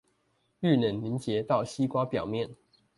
遇冷凝結到西瓜表面